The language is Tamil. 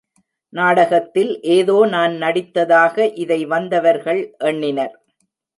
நாடகத்தில் ஏதோ நான் நடித்ததாக இதை வந்தவர்கள் எண்ணினர்.